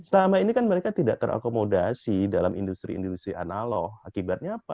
selama ini kan mereka tidak terakomodasi dalam industri industri analog akibatnya apa